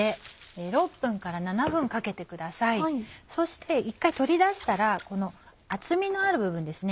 そして一回取り出したらこの厚みのある部分ですね。